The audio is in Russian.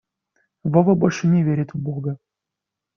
Вова больше не верит в бога.